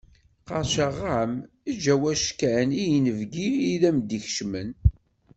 Qerrceɣ-am egg awackan i yinebgi i am-d-ikecmen.